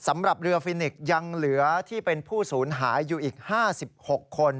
สำหรับเรือฟินิกยังเหลือที่เป็นผู้สูญหายอยู่อีก๕๖คน